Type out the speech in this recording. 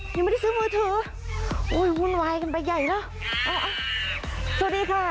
ยังไม่ได้ซื้อมือถือโอ้ยวุ่นวายกันไปใหญ่เนอะสวัสดีค่ะ